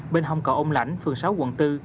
bên hông cỏ ông lãnh phường sáu quận bốn